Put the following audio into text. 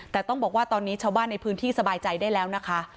แต่ต้องบอกว่าตอนนี้ชาวบ้านในพื้นที่สบายใจได้แล้วนะคะ